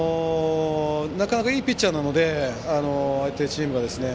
いいピッチャーなので相手チームが。